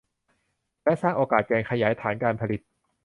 และสร้างโอกาสการขยายฐานการผลิต